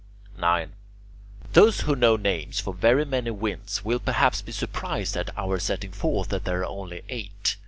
9. Those who know names for very many winds will perhaps be surprised at our setting forth that there are only eight.